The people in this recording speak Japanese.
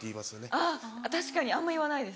あっ確かにあんま言わないです。